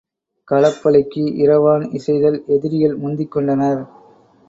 களப்பலிக்கு இரவான் இசைதல் எதிரிகள் முந்திக் கொண்டனர்.